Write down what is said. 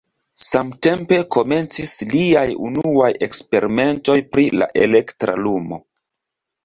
Samtempe komencis liaj unuaj eksperimentoj pri la elektra lumo.